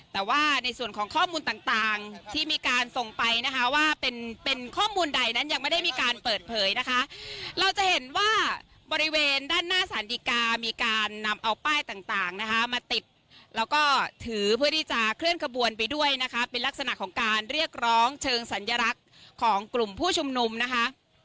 แต่ว่าในส่วนของข้อมูลต่างที่มีการส่งไปนะคะว่าเป็นเป็นข้อมูลใดนั้นยังไม่ได้มีการเปิดเผยนะคะเราจะเห็นว่าบริเวณด้านหน้าสารดีกามีการนำเอาป้ายต่างต่างนะคะมาติดแล้วก็ถือเพื่อที่จะเคลื่อนขบวนไปด้วยนะคะเป็นลักษณะของการเรียกร้องเชิงสัญลักษณ์ของกลุ่มผู้ชุมนุมนะคะ